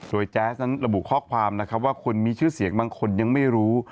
โดยแจ๊สนั้นระบุข้อความนะครับว่าคนมีชื่อเสียงบางคนยังไม่รู้